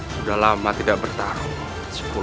sudah lama tidak bertarung